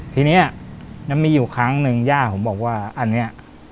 ทีนี้มันมีอยู่ครั้งหนึ่งย่าผมบอกว่าอันนี้